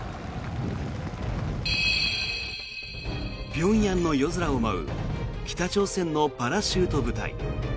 平壌の夜空を舞う北朝鮮のパラシュート部隊。